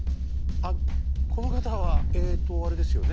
あっこの方はえとあれですよね？